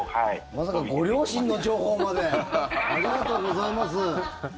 まさかご両親の情報までありがとうございます。